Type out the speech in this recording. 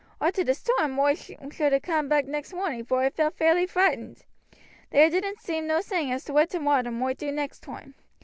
Arter the storm oi should ha' coom back next morning, vor I felt fairly frightened. There didn't seem no saying as to what t' water moight do next toime.